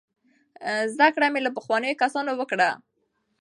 زده کړه مې له پخوانیو کسانو وکړه.